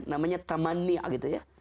namanya tamani'ah gitu ya